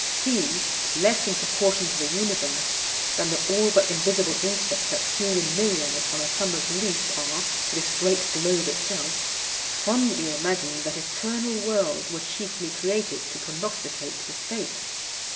He, less in proportion to the universe than the all but invisible insects that feed in myriads on a summer's leaf are to this great globe itself, fondly imagines that eternal worlds were chiefly created to prognosticate his fate.